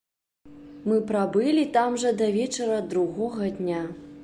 Мы прабылі там жа да вечара другога дня.